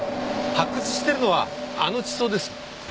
発掘してるのはあの地層です。